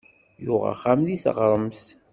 Yuɣ axxam deg taɣremt.